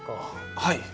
はい。